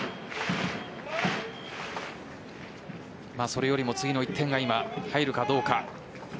それよりも次の１点が今入るかどうか。